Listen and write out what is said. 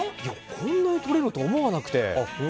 こんなにとれると思わなくて。